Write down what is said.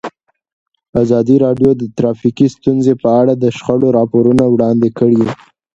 ازادي راډیو د ټرافیکي ستونزې په اړه د شخړو راپورونه وړاندې کړي.